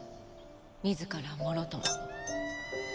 自らもろとも。